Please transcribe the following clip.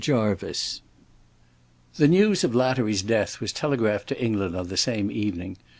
JARVICE The news of Lattery's death was telegraphed to England on the same evening.